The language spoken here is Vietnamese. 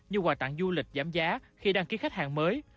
như quà tặng du lịch giảm giá khi đăng ký khách hàng mới